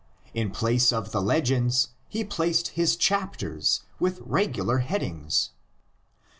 In place of the legends he placed his chapters with regular headings!